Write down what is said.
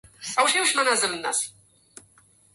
أَرَأَيْت مَا كَانَ مِنِّي ؟ قُلْت